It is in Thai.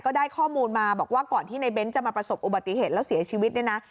ได้ข้อมูลมาบอกว่าก่อนที่ในเน้นจะมาประสบอุบัติเหตุแล้วเสียชีวิตเนี่ยนะ